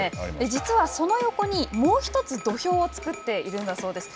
実はその横にもう一つ、土俵を作っているんだそうです。